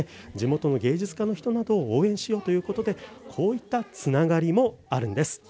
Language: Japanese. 芸術家の人なども応援しようとこういったつながりもあるんです。